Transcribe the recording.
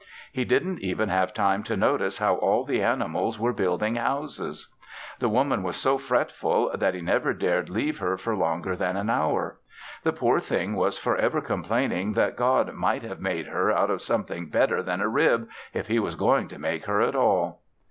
He didn't even have time to notice how all the animals were building houses. The Woman was so fretful that he never dared leave her for longer than an hour. The poor thing was forever complaining that God might have made her out of something better than a rib, if He was going to make her at all.